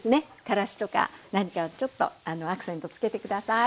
からしとか何かちょっとアクセント付けて下さい。